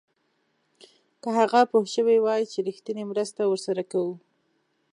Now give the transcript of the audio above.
که هغه پوه شوی وای چې رښتینې مرسته ورسره کوو.